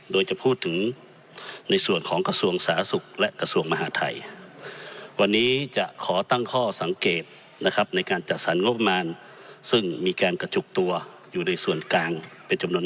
โดยจะพูดถึงในส่วนของกระทรวงสาธารณสุขและกระทรวงมหาไทย